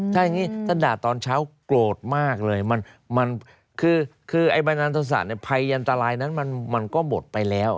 ถ้าอย่างนี้ถ้าด่าตอนเช้าโกรธมากเลยคือไอ้บันดาลโทษะภัยยันตรายนั้นมันก็หมดไปแล้ว